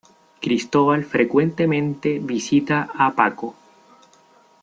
Cristóbal frecuentemente visita a Paco.